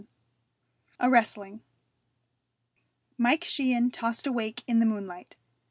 VII A WRESTLING Mike Sheehan tossed awake in the moonlight.